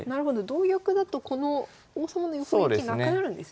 同玉だとこの王様の横利きなくなるんですね。